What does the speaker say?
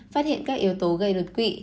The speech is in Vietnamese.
phát hiện các yếu tố gây đột quỵ